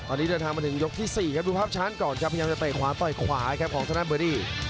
ตอนนี้เดินทางมาถึงยกที่๔ครับดูภาพช้านก่อนครับพยายามจะเตะขวาต่อยขวาครับของทางด้านเบอร์ดี้